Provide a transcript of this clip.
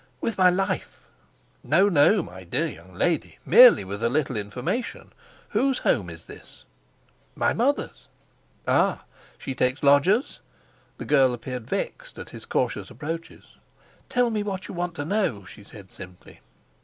"With my life." "No, no, my dear young lady, merely with a little information. Whose home is this?" "My mother's." "Ah! She takes lodgers?" The girl appeared vexed at his cautious approaches. "Tell me what you want to know," she said simply.